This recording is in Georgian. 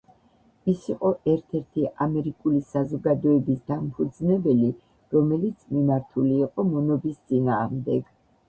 ის იყო ერთ-ერთი ამერიკული საზოგადოების დამფუძნებელი, რომელიც მიმართული იყო მონობის წინააღმდეგ.